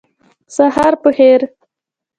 سهار په خیر